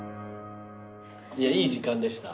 いやいい時間でした。